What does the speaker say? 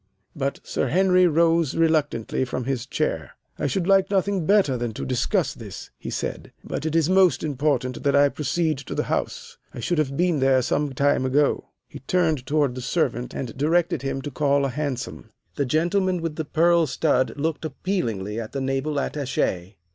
But Sir Henry rose reluctantly from his chair. "I should like nothing better than to discuss this," he said. "But it is most important that I proceed to the House. I should have been there some time ago." He turned toward the servant and directed him to call a hansom. The gentleman with the pearl stud looked appealingly at the Naval Attache.